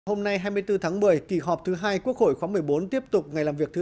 hôm nay hai mươi bốn tháng một mươi kỳ họp thứ hai quốc hội khóa một mươi bốn tiếp tục ngày làm việc thứ ba